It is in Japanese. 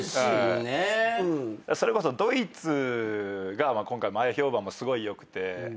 それこそドイツが今回前評判もすごい良くて。